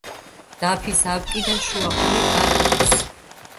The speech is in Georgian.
დაფის აპკი და შუა ყური არ აქვს.